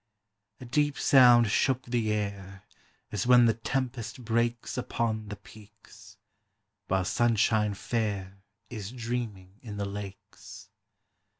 A deep sound shook the air, As when the tempest breaks Upon the peaks, while sunshine fair Is dreaming in the lakes.